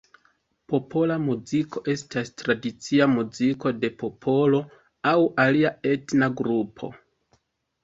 Popola muziko estas tradicia muziko de popolo aŭ alia etna grupo.